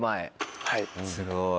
はい。